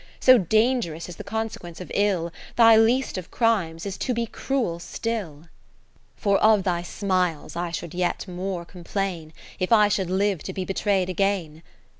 So dangerous is the consequence of ill. Thy least of crimes is to be cruel still. ( 539 ) For of thy smiles I should yet more complain, If I should live to be betray'd again.